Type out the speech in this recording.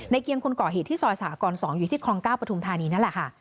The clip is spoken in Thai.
เกียงคนก่อเหตุที่ซอยสหกรณ์๒อยู่ที่คลอง๙ปฐุมธานีนั่นแหละค่ะ